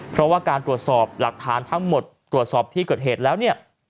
เพราะว่าการตรวจสอบหลักฐานทั้งหมดตรวจสอบที่เกิดเหตุแล้วเนี่ย